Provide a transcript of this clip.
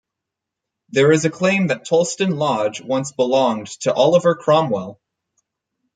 There is a claim that Toulston Lodge once belonged to Oliver Cromwell.